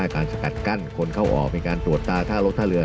การสกัดกั้นคนเข้าออกมีการตรวจตาท่ารกท่าเรือ